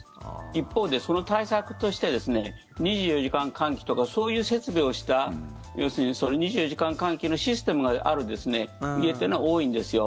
一方で、その対策として２４時間換気とかそういう設備をした要するに２４時間換気のシステムがある家っていうのは多いんですよ。